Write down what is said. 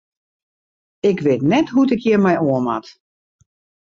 Ik wit net hoe't ik hjir mei oan moat.